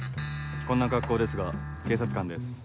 こんな格好ですが警察官です。